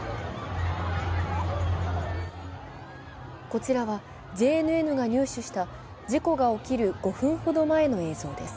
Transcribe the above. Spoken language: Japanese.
こちらはＪＮＮが入手した事故が起きる５分ほど前の映像です。